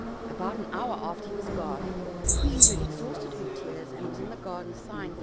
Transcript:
About an hour after he was gone the queen, who had exhausted her tears, and was in the garden sighing for 250 OLD, OLD FAIRT TALES.